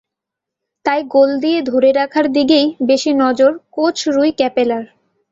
তাই গোল দিয়ে ধরে রাখার দিকেই বেশি নজর কোচ রুই ক্যাপেলার।